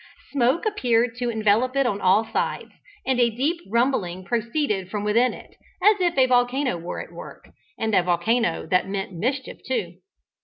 Smoke appeared to envelope it on all sides, and a deep rumbling proceeded from within it, as if a volcano were at work, and a volcano that meant mischief too.